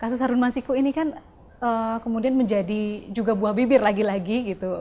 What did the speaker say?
kasus harun masiku ini kan kemudian menjadi juga buah bibir lagi lagi gitu